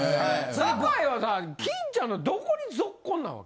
坂井は金ちゃんのどこにぞっこんなわけ？